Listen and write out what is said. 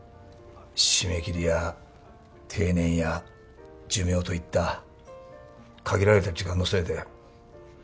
締め切りや定年や寿命といった限られた時間のせいで。